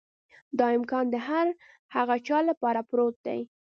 دا امکان د هر هغه چا لپاره پروت دی.